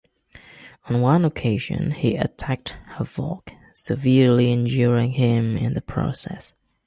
On one occasion, he attacked Havok, severely injuring him in the process.